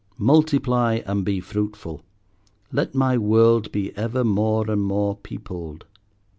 "Multiply and be fruitful; let my world be ever more and more peopled."